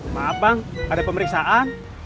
maaf bang ada pemeriksaan